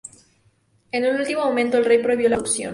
En el último momento, el rey prohibió la producción.